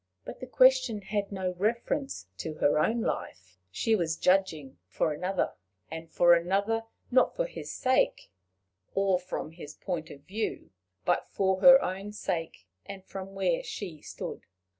But the question had no reference to her own life: she was judging for another and for another not for his sake, or from his point of view, but for her own sake, and from where she stood.